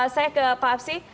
saya ke pak absi